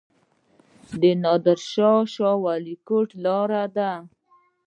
د نادر شاه کوټ لاره ده